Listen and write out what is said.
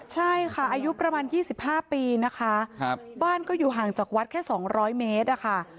ใช่ค่ะอายุประมาณ๒๕ปีนะคะบ้านก็อยู่ห่างจากวัดแค่๒๐๐เมตรอะค่ะ